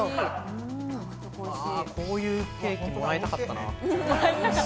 こういうケーキもらいたかったな。